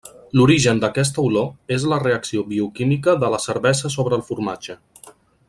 L'origen d'aquesta olor és la reacció bioquímica de la cervesa sobre el formatge.